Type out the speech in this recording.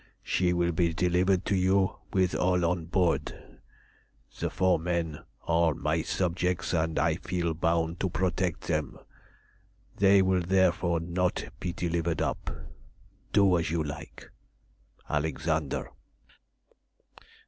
She will be delivered to you with all on board. The four men are my subjects, and I feel bound to protect them; they will therefore not be delivered up. Do as you like. ALEXANDER.